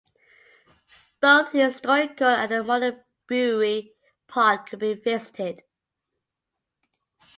Both the historical and the modern brewery part could be visited.